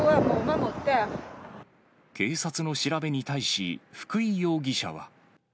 警察の調べに対し、福井容疑者は。